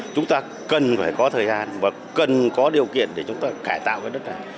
chúng ta cần phải có thời gian và cần có điều kiện để chúng ta cải tạo cái đất này